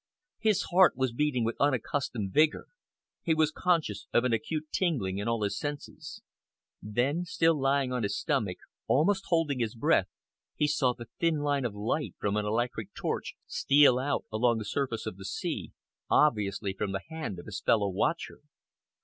His heart was beating with unaccustomed vigour; he was conscious of an acute tingling in all his senses. Then, still lying on his stomach, almost holding his breath, he saw the thin line of light from an electric torch steal out along the surface of the sea, obviously from the hand of his fellow watcher.